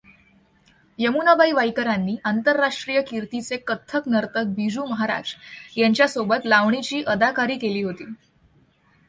यमुनाबाई वाईकरांनी आंतरराष्ट्रीय कीर्तीचे कथ्थक नर्तक बिर्जू महाराज यांच्या सोबत लावणीची अदाकारी केली होती.